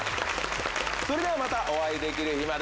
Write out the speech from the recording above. それではまたお会いできる日まで。